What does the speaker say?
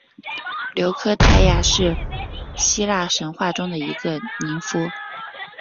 琉科忒亚是希腊神话中一个宁芙。